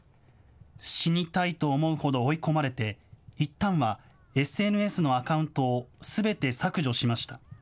死にたいと思うほど追い込まれて、いったんはＳＮＳのアカウントをすべて削除しました。